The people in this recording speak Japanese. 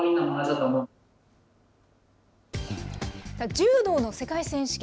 柔道の世界選手権。